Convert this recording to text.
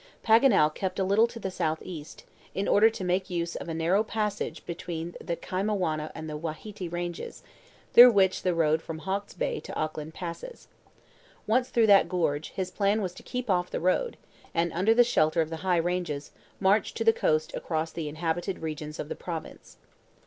Paganel kept a little to the southeast, in order to make use of a narrow passage between the Kaimanawa and the Wahiti Ranges, through which the road from Hawkes' Bay to Auckland passes. Once through that gorge, his plan was to keep off the road, and, under the shelter of the high ranges, march to the coast across the inhabited regions of the province.